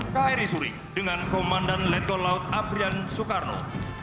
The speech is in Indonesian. kri suri dengan komandan letkol laut aprian soekarno